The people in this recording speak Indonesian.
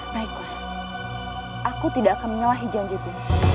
baiklah aku tidak akan menyalahi janji ku